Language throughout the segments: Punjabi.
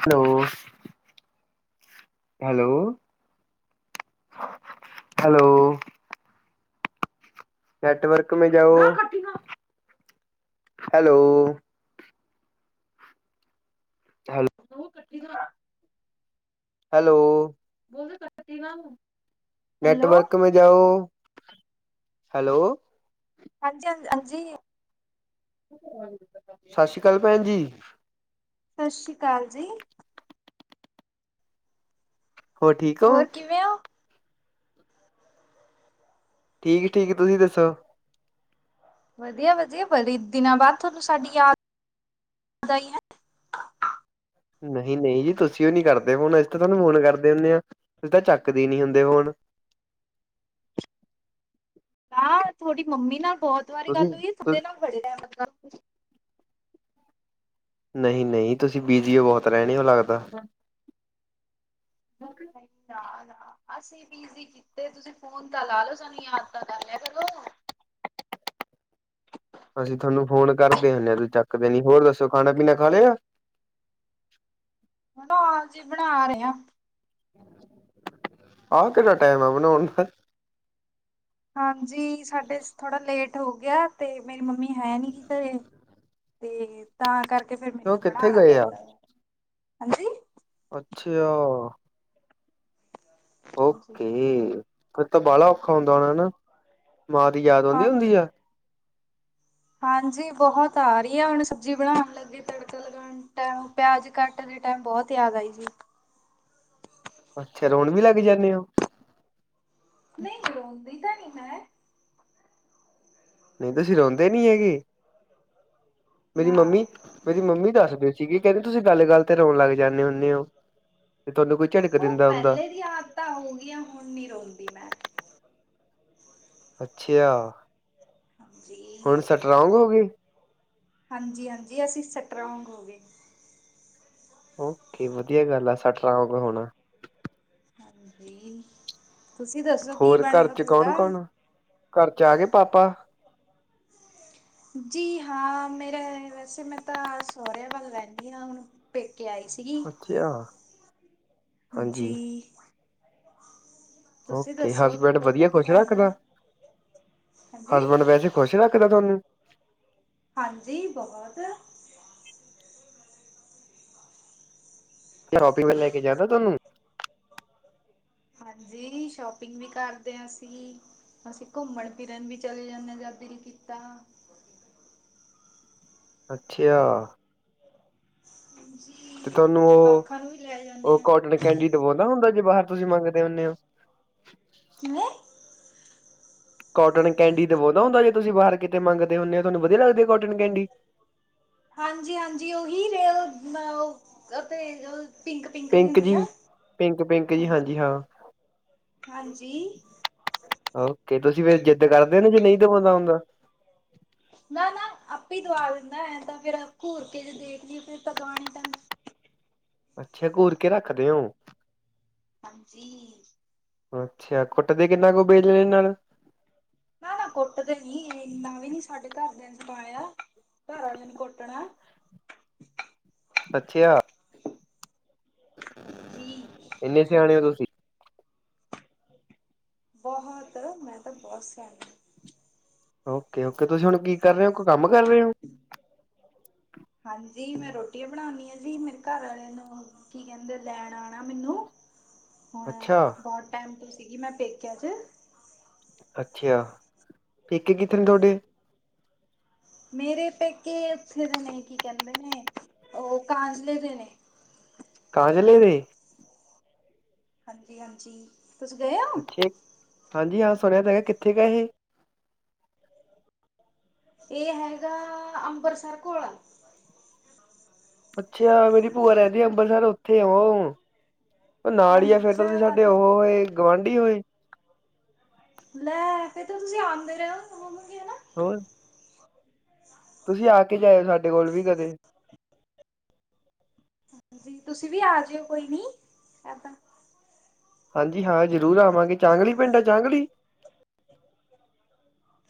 ਹੈਲੋ। ਹੈਲੋ। ਹੈਲੋ। ਨੈਟਵਰਕ ਮੇ, ਜਾਓ। Hello. Hello. Hello hello network ਜਾਓ ਹੈਲੋ ਹਾਂਜੀ ਹਾਂ ਹਾਂਜੀ ਸਤਿ ਸ੍ਰੀ ਅਕਾਲ ਭੈਣ ਜੀ ਸਤਿ ਸ਼੍ਰੀ ਅਕਾਲ ਜੀ ਹੋਰ ਠੀਕ ਹੋ ਕਿਵੇਂ ਹੋ ਠੀਕ ਠੀਕ ਤੁਸੀਂ ਦੱਸੋ ਵਧੀਆ ਵਧੀਆ ਬੜੀ ਦਿਨਾਂ ਬਾਅਦ ਤੁਹਾਨੂੰ ਸਾਡੀ ਯਾਦ ਆਈ ਹੈ ਨਹੀਂ ਨਹੀਂ ਜੀ ਤੁਸੀਂ ਉਹ ਨੀ ਕਰਦੇ ਫੋਨ ਅਸੀਂ ਤਾਂ ਤੁਹਾਨੂੰ ਫੋਨ ਕਰਦੇ ਹੁੰਦੇ ਹਾਂ ਤੁਸੀਂ ਤਾਂ ਚੱਕਦੇ ਹੀ ਨੀ ਹੁੰਦੇ ਫੋਨ ਆਹ ਤੁਹਾਡੀ ਮੰਮੀ ਨਾਲ ਬਹੁਤ ਵਾਰੀ ਤੁਸੀਂ ਗੱਲ ਹੋਈ ਹੈ ਦੇ ਨਾਲ ਬੜੇ ਰਹਿ ਨਹੀਂ- ਨਹੀਂ, ਤੁਸੀਂ ਬੀਜੀ, ਬਹੁਤ ਰਹਿਣੇ ਹੋ ਲੱਗਦਾ। ਨਹੀਂ, ਨਾ- ਨਾ, ਅਸੀਂ। ਬੀਜੀ ਕੀਤੇ, ਤੁਸੀਂ ਫੋਨ, ਤਾਂ ਲਾ, ਲੋ। ਸਾਨੂੰ ਯਾਦ ਤਾਂ ਕਰ ਲਿਆ ਕਰੋ। ਅਸੀਂ, ਤੁਹਾਨੂੰ ਫੋਨ ਕਰਦੇ ਆ। ਲੈ ਤੁਸ ਚੱਕਦੇ ਨੀ, ਹੋਰ ਦੱਸੋ ਖਾਣਾ- ਪੀਣਾ ਖਾ ਲਿਆ? ਹੋਣਾ ਆ ਜੇ, ਬਣਾ ਰਹੇ ਆ। ਆਹ ਕਿਹੜਾ, ਟਾਈਮ ਆ। ਬਣਾਉਣ ਦਾ। ਹਾਂਜੀ। ਸਾਡੇ ਥੋੜਾ ਲੇਟ ਹੋ ਗਿਆ। ਤੇ ਮੇਰੀ ਮੰਮੀ, ਹੈ ਨੀ ਗੀ। ਤੇ ਤੇ ਤਾਂ ਕਰਕੇ, ਫੇਰ ਉਹ ਮੈਨੂੰ, ਕਿੱਥੇ ਬਣਾਉਣਾ ਗਏ ਪੈਂਦਾ ਵ। ਹਾਂਜੀ। ਅੱਛੇ ਆ। ਹਾਂਜੀ ਓਕੇ। ਫੇਰ ਤਾਂ ਬਾਹਲਾ ਔਖਾ ਹੁੰਦਾ ਹੋਣਾ ਏ ਨਾ। ਮਾਰ ਦੀ ਯਾਦ, ਆਉਂਦੀ ਹਾਂਜੀ, ਹੁੰਦੀ ਆ। ਹਾਂਜੀ। ਬਹੁਤ ਆ ਰਹੀ ਆ। ਹੁਣ ਸਬਜ਼ੀ ਬਣਾਉਣ ਲੱਗੇ, ਤੜਕਾ ਲੱ- ਟੇਮ, ਪਿਆਜ ਘੱਟ ਦੇ ਟਾਈਮ, ਬਹੁਤ ਯਾਦ ਆਈ ਜੀ। ਅੱਛਾ। ਰੋਣ ਵੀ, ਲੱਗ ਜਾਂਦੇ ਹੋ? ਨਹੀਂ। ਰੋਂਦੀ ਤੇ, ਨਹੀਂ ਮੈਂ। ਨਹੀਂ। ਤੁਸੀਂ ਰੋਂਦੇ ਨੀ ਹੈਗੇ? ਮੇਰੀ ਨਾ ਮੰਮੀ, ਮੇਰੀ ਮੰਮੀ ਦੱਸਦੇ ਸੀਗੇ। ਕਹਿੰਦੇ, ਤੁਸੀਂ ਗੱਲ- ਗੱਲ ਤੇ, ਰੋਣ ਲੱਗ ਜਾਂਦੇ ਹੁੰਣੇ ਹੋ। ਤੇ ਤੁਹਾਨੂੰ, ਕੋਈ ਝੜਕ। ਉਹ ਪਹਿਲੇ ਦੀ, ਆਦਤਾਂ ਹੋ ਗਈਆਂ। ਹੁਣ ਨੀ ਰੋਂਦੀ ਮੈਂ। ਅੱਛੇਆ। ਹਾਂਜੀ। ਹੋ ਗਏ ਹਾਂਜੀ- ਹਾਂਜੀ, ਅਸੀਂ ਸਟਰੋਂਗ, ਹੋ ਗਏ। ਓਕੇ। ਵਧੀਆ ਗੱਲ ਆ। ਸੱਟ ਰੋਂਗ, ਹੁਣਾ। ਹਾਂਜੀ। ਤੁਸੀਂ ਦੱਸੋ, ਕੀ ਹੋਰ ਘਰ ਬਣਦਾ ਚ ਕੌਣ ਤੁਹਾਡਾ? ਕੌਣ ਆ ਘਰ ਚ, ਆ ਗਏ ਪਾਪਾ? ਜੀ ਹਾਂ, ਮੇਰਾ ਵੈਸੇ, ਮੈਂ ਤਾਂ ਸਹੁਰਿਆਂ, ਵੱਲ ਰਹਿੰਦੀ ਹਾਂ। ਹੁਣ, ਪੇਕੇ ਆਈ ਸੀ। ਅੱਛੀਆ। ਜੀ। ਓਕੇ। ਹਸਬੈਂਡ ਤੁਹਾਡਾ ਵਧੀਆ ਕੀ ਖੁਸ਼ ਬਣਦਾ ਰੱਖਦਾ? ਹਾਂਜੀ। ਹਸਬੈਂਡ ਵੈਸੇ। ਖੁਸ਼ ਰੱਖਦਾ ਤੁਹਾਨੂੰ? ਹਾਂਜੀ। ਬਹੁਤ। ਸ਼ੋਪੀਗ, ਲੈ ਕੇ ਜਾਂਦਾ ਤੁਹਾਨੂੰ? ਹਾਂਜੀ। ਸ਼ੋਪਿੰਗ ਵੀ, ਕਰਦੇ ਹਾਂ ਅਸੀਂ। ਅਸੀਂ ਘੁੰਮਣ- ਫਿਰਨ ਵੀ, ਚਲੇ ਜਾਂਦੇ ਹਾਂ। ਜਦ ਦਿਲ ਕੀਤਾ। ਅੱਛੇਆ। ਹਾਂਜੀ ਤੇ ਤੁਹਾਨੂੰ, ਉਹ, ਜਵਾਕਾਂ ਨੂੰ ਵੀ ਲੈ ਜਾਂਦੇ ਉਹ ਹਾਂ ਕੋਟਨ ਕੈਂਡੀ, ਦਵਾਉਂਦਾ ਹੁੰਦਾ। ਜੇ ਬਾਹਰ ਤੁਸੀਂ ਮੰਗਦੇ ਹੁੰਣੇ ਹੋ। ਜਿਵੇਂ? ਕੋਟਨ ਕੈਂਡੀ ਦੁਆਦਾ ਹੁੰਦਾ, ਜੇ ਤੁਸੀਂ ਬਾਹਰ ਕਿਤੇ ਮੰਗਦੇ ਹੋਣੇ ਹੋ? ਤੁਹਾਨੂੰ ਵਧੀਆ ਲਗਦੀ ਆ ਕੋਟਨ ਕੈਂਡੀ? ਹਾਂਜੀ- ਹਾਂਜੀ। ਉਹੀ ਰ ਉਹ ਪਿੰਕ ਪਿੰਕ ਦੀ ਹੁੰਦੀ ਆ ਪਿੰਕ ਪਿੰਕ ਜੀ ਹਾਂਜੀ ਹਾਂ ਹਾਂਜੀ ਕੇ ਤੁਸੀਂ ਫੇਿਰ ਜਿੱਦ ਕਰਦੇ ਹੋ ਨਾ ਜੇ ਨਹੀਂ ਤੇ ਬਦਾ ਹੁੰਦਾ ਨਾ- ਨਾ, ਆਪੇ ਹੀ, ਦਵਾ ਦਿੰਦਾ ਐ। ਤਾਂ ਫੇਰ, ਘੁਰ ਕੇ, ਜੇ ਦੇਖ ਲਈਏ। ਫੇਰ ਤਾਂ ਦਵਾਣਾ ਪੈਂਦਾ। ਅੱਛਾ। ਘੁਰ ਕੇ ਰੱਖਦੇ ਹੋ? ਹਾਂਜੀ। ਅੱਛਾ। ਕੁੱਟਦੇ ਕਿੰਨਾ ਕੁ ਹੋ, ਬੇ ਲਣੇ ਨਾਲ? ਨਾ- ਨਾ, ਕੁੱਟਦੇ ਨੀ, ਇੰਨਾ ਵੀ ਨੀ ਸਾਡੇ ਘਰਦਿਆਂ ਨੇ, ਸਿਖਾਇਆ। ਘਰ ਵਾਲਿਆਂ ਨੂੰ ਕੁੱਟਣਾ। ਅਛੇਆ। ਜੀ। ਇੰਨੇ, ਸਿਆਣੇ ਹੋ ਤੁਸੀਂ? ਬਹੁਤ। ਮੈਂ ਤਾਂ, ਬਹੁਤ ਸਿਆਣੀ। ਓਕੇ ਓਕੇ ਤੁਸੀਂ ਹੁਣ ਕੀ ਕਰ ਰਹੇ ਹੋ ਕੰਮ ਕਰ ਰਹੇ ਹੋ ਹਾਂਜੀ ਹੁਣ ਅੱਛਾ ਬਹੁਤ ਟਾਈਮ ਤੋਂ ਸੀਗੀ ਮੈਂ ਪੇਕਿਆ 'ਚ ਅੱਛਾ ਪੇਕੇ ਕਿੱਥੇ ਨੇ ਹਾਂਜੀ ਤੁਹਾਡੇ ਮੇਰੇ ਪੇਕੇ ਉੱਥੇ ਦੇ ਨੇ ਕੀ ਕਹਿੰਦੇ ਨੇ ਉਹ ਕਾਂਜਲੇ ਦੇ ਨੇ ਕਾ ਚ ਲ ਦੇ ਹਾਂਜੀ ਹਾਂਜੀ ਤੁਸੀਂ ਗਏ ਹੋ ਅੱਛੇ ਹਾਂਜੀ ਹਾਂ ਸੁਣਿਆ ਤਾਂ ਹੈਗਾ ਕਿੱਥੇ ਗ ਇਹ ਇਹ ਹੈਗਾ ਅੰਬਰਸਰ ਕੋਲ ਅੱਛਾ ਮੇਰੀ ਭੂਆ ਰਹਦੀ ਆ ਅੰਮ੍ਰਰਤਸਰ ਉੱਥੇ ਨਾਲ ਹੀ ਆ ਫੇਿਰ ਤਾਂ ਤੁਸੀਂ ਅੱਛਾ ਸਾਡੇ ਉਹ ਹੋਏ ਗੁਵਾਂਢੀ ਹੋਏ ਲੈ ਫੇਰ ਤਾਂ ਤੁਸੀਂ ਆਉਂਦੇ ਰਹੇ ਹੋ ਹੋਰ ਤੁਸੀਂ ਆ ਕੇ ਜਾਇਓ ਸਾਡੇ ਕੋਲ ਵੀ ਕਦੇ ਹਾਂਜੀ ਤੁਸੀਂ ਵੀ ਆ ਜਿਓ ਕੋਈ ਨੀ ਹੈ ਤਾਂ ਹਾਂਜੀ ਹਾਂ ਜ਼ਰੂਰ ਆਵਾਂਗੇ ਚਾਂਗਲੀ ਪਿੰਡ ਹੈ ਚਾਂਗਲੀ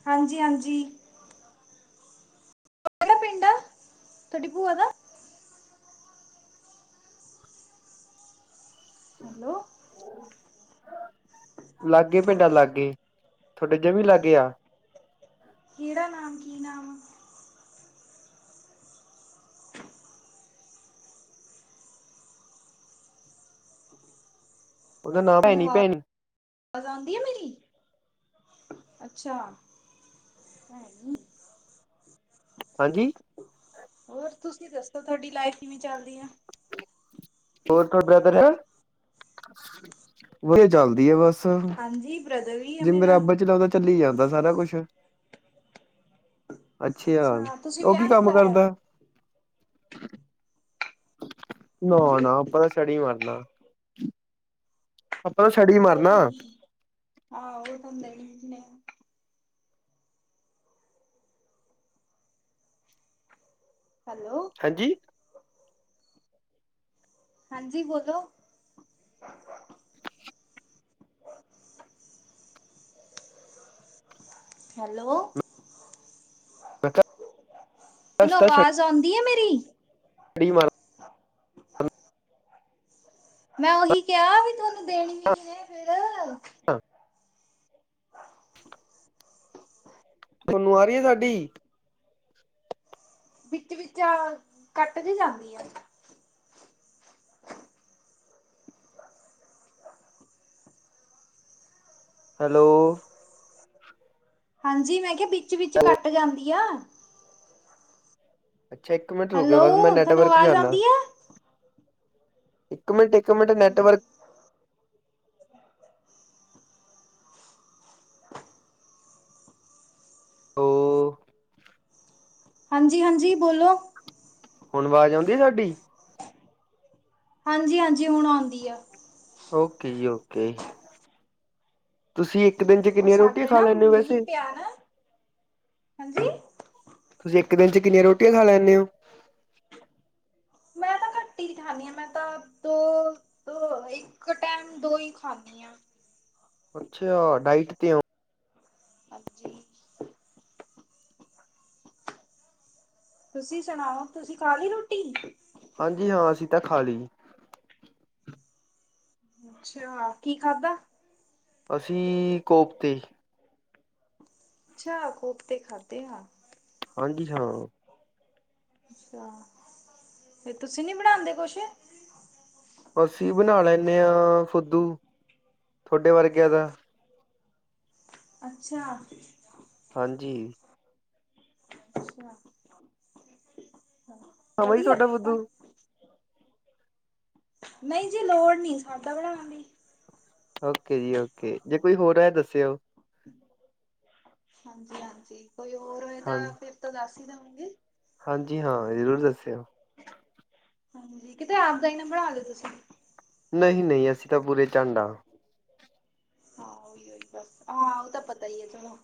ਹਾਂਜੀ ਹਾਂਜੀ ਕਿਹੜਾ ਪਿੰਡ ਆ ਤੁਹਾਡੀ ਭੂਆ ਦਾ ਹੈਲੋ ਲਾਗੇਏ ਪਿੰਡਾਂ ਲਾਗੇ ਤੁਹਾਡੇ ਜਮੀ ਲਾਗੇ ਆ ਕਿਹੜਾ ਨਾਮ ਕੀ ਨਾਮ ਉਹਦਾ ਨਾਮ ਭ ਹੈੈ ਨੀ ਭੈਣ ਆਜ਼ ਆਉਂਦੀ ਆ ਮੇਰੀ ਅੱਛਾ ਹੈ ਨ ਹਾਂਜੀ ਹੋਰ ਤੁਸੀਂ ਦੱਸੋ ਤੁਹਾਡੀ ਲਾਈਫ ਕਿਵੇਂ ਚੱਲਦੀ ਹੈ ਹੋਰ ਤੁਹਾਡ ਵਧੀਆ ਚੱਲਦੀ ਆ ਬਸ ਬੱਸ ਹਾਂਜੀ ਬ੍ਰਦਰ ਵੀ ਆ ਜੇਵੇਂ ਮੇਰਾ ਰੱਬ ਚਲਾਉਂਦਾ ਚੱਲੀ ਜਾਂਦਾ ਸਾਰਾ ਕੁਛ ਅੱਛਾ ਤੁਸੀਂ ਉਹ ਵਿਆਹ ਕੀ ਨਹੀਂ ਕੰਮ ਕਰਾਇਆ ਕਰਦਾ ਨਾ ਹਾਂਜੀ ਨਾ ਆਪਤਾ ਛੜੀ ਮਰਨਾ ਆਪਾਂ ਛੜ ਉਹ ਆਹੋ ਉਹ ਤਾਂਦਾ ਨ ਹੈਲੋ ਹਾਂਜੀ ਹਾਂਜੀ ਬੋਲੋ ਹੈਲੋ ਮੈਂ ਕਿਹਾ ਤੈਨੂੰ ਆਵਾਜ਼ ਮਜ਼ਾ ਆਉਂ ਆ ਮੇਰੀ ਬੜੀ ਮਾਰ ਮੈਂ ਉਹੀ ਕਿਹਾ ਵੀ ਤੁਹਾਨੂੰ ਦੇਣੀ ਵੀ ਕਿੰਨੇ ਫਿਰ ਹਾਂ [unintelligible] ਤੁਨੂੰ ਆ ਰਹੀ ਹੈ ਸਾਡੀ ਵਿੱਚ ਵਿੱਚ ਕੱਟ ਦੀ ਜਾਂਦੀ ਆ ਹੈਲੋ ਹਾਂਜੀ ਮੈਂ ਕਿਹਾ ਵਿੱਚ ਵਿੱਚ ਕੱਟ ਜਾਂਦੀ ਆ ਅੱਛਾ ਇੱਕ ਮਿੰਟ ਰੁਕ ਹੈਲੋ ਬਸ ਮੈਂ ਤੁਹਾਨੂੰ ਨੈਟਵਰਕ ਆਵਾਜ਼ ਜਾਂਦਾ ਆਉਂਦੀ ਆ ਇੱਕ ਮਿੰਟ ਇੱਕ ਮਿੰਟ ਹਾਂਜੀ ਨੈਟਵਰਕ ਹੋ- ਹਾਂਜੀ-ਹਾਂਜੀ ਬੋਲੋ ਹੁਣ ਆਵਾਜ਼ ਆਉਂਦੀ ਸਾਡੀ। ਹਾਂਜੀ-ਹਾਂਜੀ ਹੁਣ ਆਉਂਦੀ ਆ। ਓਕੇ ਜੀ ਓਕੇ ਜੀ ਤੁਸੀਂ ਇੱਕ ਦਿਨ ਚ ਉਹ ਕਿੰਨੀਆਂ ਰੋਟੀਆਂ ਸਾਡੇ ਖਾ ਨਾ ਲੈਂਣੇ ਹੋ ਮੀਂਹ ਵੈਸੇ- ਪਿਆ ਨਾ ਹਾਂਜੀ- ਤੁਸੀਂ ਇੱਕ ਦਿਨ ਚ ਕਿੰਨੀਆਂ ਰੋਟੀਆਂ ਖਾ ਲੈਂਣੇ ਹੋ? ਮੈਂ ਤਾਂ ਕੱਟੀ ਹੀ ਖਾਂਣੀ ਹਾਂ ਮੈਂ ਤਾਂ ਦੋ ਦੋ ਇੱਕ ਟੈਮ ਦੋ ਹੀ ਖਾਂਣੀ ਹਾਂ। ਅੱਛਾ ਡਾਈਟ ਤੇ ਓ- ਹਾਂਜੀ। ਤੁਸੀਂ ਸੁਣਾਓ ਤੁਸੀਂ ਖਾ ਲੀ ਰੋਟੀ- ਹਾਂਜੀ ਹਾਂ ਅਸੀਂ ਤਾਂ ਖਾ ਲੀ। ਅੱਛਾ ਕੀ ਖਾਧਾ? ਅਸੀਂ ਕੋਫਤੇ। ਅੱਛਾ ਕੋਫਤੇ ਖਾਧੇ ਆ। ਹਾਂਜੀ ਹਾਂ। ਅੱਛਾ ਤੇ ਤੁਸੀਂ ਨੀ ਬਣਾਦੇ ਕੁਛ- ਅਸੀਂ ਬਣਾ ਲੈਂਣੇ ਹਾਂ ਫੁਦੂ ਤੁਹਾਡੇ ਵਰਗਿਆਂ ਦਾ- ਅੱਛਾ। ਹਾਂਜੀ। ਅੱਛਾ ਸਮਝ ਵਧੀਆ ਤੁਹਾਡਾ ਫੇਰ ਤਾ- ਫੁੱਦੂ ਨਹੀਂ ਜੀ ਲੋੜ ਨਹੀਂ ਸਾਡਾ ਬਣਾਣ ਦੀ। ਓਕੇ ਜੀ ਓਕੇ ਜੇ ਕੋਈ ਹੋਰ ਹੈ ਦੱਸਿਓ। ਹਾਂਜੀ-ਹਾਂਜੀ ਕੋਈ ਹੋਰ ਹੋਏ ਹਾਂ ਤਾਂ ਫਿਰ ਤ ਦੱਸ ਹੀ ਦੇਓਂਗੀ। ਹਾਂਜੀ ਹਾਂ ਜ਼ਰੂਰ ਦੱਸਿਓ। ਹਾਂਜੀ ਕਿਤੇ ਆਪਦਾ ਹੀ ਨੰਬਰ ਆ ਦਿ ਤੁਸੀਂ ਨਹੀਂ-ਨਹੀਂ ਅਸੀਂ ਤਾਂ ਪੂਰੇ ਝੰਡ ਆ। ਹਾਂ ਉਹੀ ਉਓਹੀ ਬਸ ਹਾਂ ਉਹ ਤਾਂ ਪਤਾ ਹੀ ਹੈ ਚਲੋ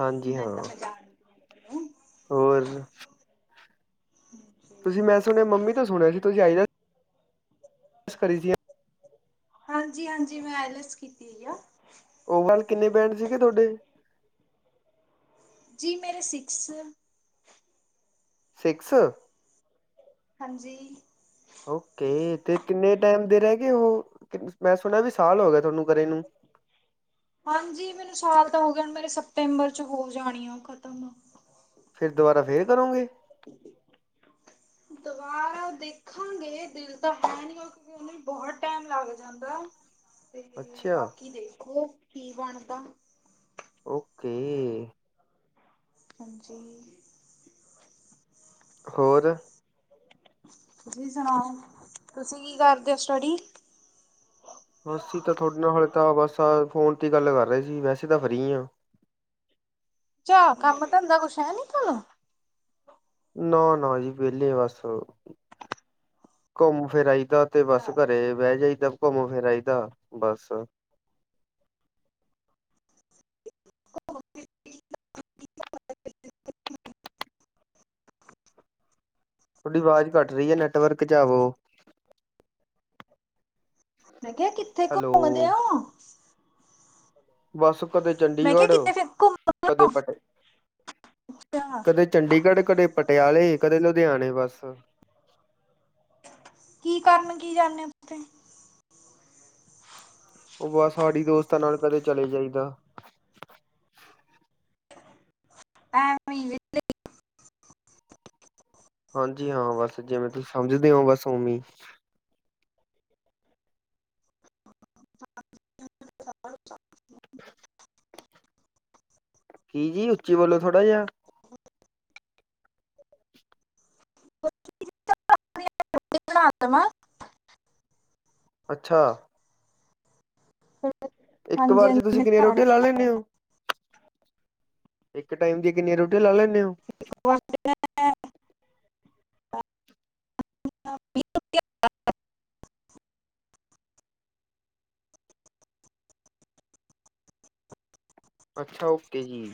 ਹਾਂਜੀ ਕਿੰਨਾ ਹਾਂ ਕੁ ਤਾਂ ਮੈਂ ਜਾਣ ਹੋਰ? [unintelligible] ਤੁਸੀਂ ਮੈਂ ਸੁਣਿਆ ਮੰਮੀ ਤੋਂ ਸੁਣਿਆ ਸੀ ਤੁਸੀਂ ਆਈ ਕਰੀ ਜਯਾ ਹਾਂਜੀ-ਹਾਂਜੀ ਮੈਂ ਐਲਸ ਕੀਤੀ ਆ। ਓਵਰਆਲ ਕਿੰਨੇ ਬ੍ਰਡ ਸੀਗੇ ਤੁਹਾਡੇ? ਜੀ ਮੇਰੇ ਸਿਕਸ- ਸਿਕਸ ਹਾਂਜੀ ਓਕੇ ਤੇ ਕਿੰਨੇ ਟਾਈਮ ਦੇ ਰਹਿ ਗਏ ਉਹ ਮੈਂ ਸੁਣ ਵੀ ਸਾਲ ਹੋ ਗਿਆ ਤੁਹਾਨੂੰ ਘਰੇ ਨੂੰ ਹਾਂਜੀ ਮੈਨੂੰ ਸਾਲ ਤਾਂ ਹੋ ਗਣ ਮੇਰੇ ਸਪਤੰਬਰ ਚ ਹੋ ਜਾਣੀ ਆ ਖ਼ਤਮ ਫੇਿਰ ਦੁਬਾਰਾ ਫੇਿਰ ਕਰੋਂਗੇ ਦੁਬਾਰਾ ਦੇਖਾਂਗੇ ਦਿਲ ਤਾਂ ਹੈ ਨੀ ਬਹੁਤ ਟੈਮ ਲੱਗ ਜਾਂਦਾ। ਤੇ ਅੱਛਾ ਬਾਕੀ ਦੇਖੋ ਕੀ ਬਣਦਾ? ਓਕੇ- ਹਾਂਜੀ। ਹੋਰ? ਤੁਸੀਂ ਸੁਣਾਓ ਤੁਸੀਂ ਕੀ ਕਰਦੇ ਹੋ ਸਟਡੀ? ਅਸੀਂ ਤਾਂ ਤੁਹਾਡੇ ਨਾਲ ਹਾਲੇ ਤਾਂ ਬਸ ਫੋਨ ਤੇ ਹੀ ਗੱਲ ਕਰ ਰਹੇ ਸੀ ਵੈਸੇ ਤਾਂ ਫਰੀ ਹਾਂ। ਚਾਹ ਕੰਮ ਧੰਦਾ ਕੁੱਛ ਹੈ ਨੀ ਤੁਹਾਨੂੰ? ਨਾ-ਨਾ ਜੀ ਵੇਲੇ ਬਸ ਘੁੰਮ ਫਿਰ ਆਈ। ਦਾਂ ਤੇ ਬਸ ਲੈ ਘਰੇ ਬਹਿ ਜਾਇਦਾ ਘੁੰਮ ਫਿਰ ਆਈਦਾ ਬਸ- ਤੁਹਾਡੀ ਆਵਾਜ਼ ਘੱਟ ਰਹੀ ਹੈ ਨੈਟਵਰਕ ਚ ਆਵੋ। ਮੈਂ ਕਿਹਾ ਕਿੱਥੇ ਹੈਲੋ ਘੁੰਮਦੇ ਹੋ ਬਸ ਕਦੇ ਮੈਂ ਕਿਹਾ ਚੰਡੀਗੜ੍ਹ ਕਿਤੇ ਫਿਰ ਕਦੇ ਪਟੇ ਘੁੰਮ ਕਦੇ ਚੰਡੀਗੜ੍ਹ ਕਦੇ ਪਟਿਆਲੇ ਕਦੇ ਲੁਧਿਆਣੇ ਬਸ ਕੀ ਕਾਰਨ ਕੀ ਜਾਂਦੇ ਓ ਉਥੇ ਉਹ ਬਸ ਸਾਡੀ ਦੋਸਤਾਂ ਨਾਲ ਕਦੇ ਚਲੇ ਜਾਈਦਾ ਐਵੇ ਹੀ ਵੇਲੇ ਹਾਂਜੀ ਹਾਂ ਬਸ ਜਿਵੇਂ ਤੁਸੀਂ ਸਮਝਦੇ ਹੋ ਬਸ ਉਓਵੇ ਇ [unintelligible] ਕੀ ਜੀ ਉੱਚੀ ਬੋਲੋ ਥੋੜਾ ਜਿਹਾ [inaudible] [unintelligible] ਅੱਛਾ ਇੱਕ ਹਾਂਜੀ ਵਾਰ ਚ ਤੁਸੀਂ ਹਾਂਜੀ ਕਿੰਨੀਆਂ ਰੋਟੀਆਂ ਲਾ ਲੈਦੇ ਹੋ ਇੱਕ ਟਾਈਮ ਦੀਆਂ ਕਿੰਨੀਆਂ ਰੋਟੀ ਲਾ ਲੈਂਦੇ ਹੋ [unintelligible] [unintelligible] ਅੱਛਾ ਓਕੇ ਜੀ